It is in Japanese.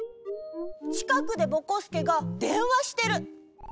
ちかくでぼこすけがでんわしてる。